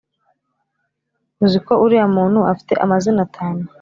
uziko uriya muntu afite amazina atanu